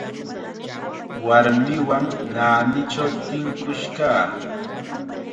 Warmiwan naanichaw tinkush kaa.